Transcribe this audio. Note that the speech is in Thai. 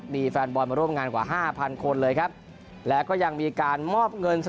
มีแฟนบอยล์มาร่วมงานกว่า๕๐๐๐คน